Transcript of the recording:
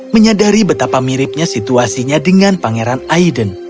menyadari betapa miripnya situasinya dengan pangeran aiden